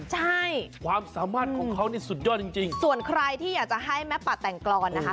ใช่ความสามารถของเขานี่สุดยอดจริงจริงส่วนใครที่อยากจะให้แม่ป่าแต่งกรอนนะคะ